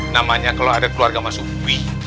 namanya kalau ada keluarga masuk ui